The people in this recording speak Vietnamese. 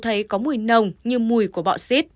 thấy có mùi nồng như mùi của bọ xít